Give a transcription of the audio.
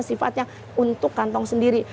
sifatnya untuk kantong sendiri